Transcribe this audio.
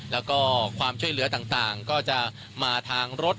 แล้วก็ความช่วยเหลือต่างก็จะมาทางรถ